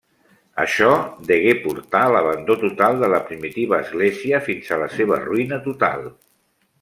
Això degué portar l'abandó total de la primitiva església fins a la seva ruïna total.